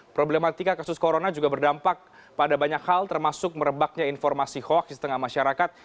problematika kasus corona juga berdampak pada banyak hal termasuk merebaknya informasi hoax di tengah masyarakat